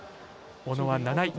小野は７位。